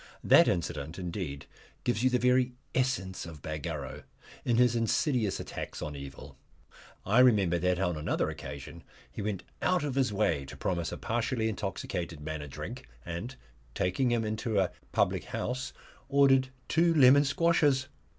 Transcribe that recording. That incident, indeed, gives you the very essence of Bagarrow in his insidious attacks on evil. I remember that on another occasion he went out of his way to promise a partially intoxicated man a drink; and taking him into a public house ordered two lemon squashes!